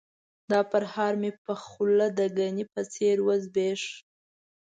دا پرهار مې په خوله د ګني په څېر وزبیښ.